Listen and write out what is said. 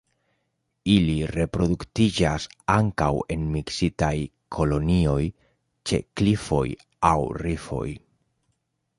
Ili reproduktiĝas ankaŭ en miksitaj kolonioj ĉe klifoj aŭ rifoj.